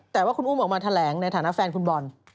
แต่ว่าคุณอุ้มออกมาแถลงในฐานะแฟนคุณบอล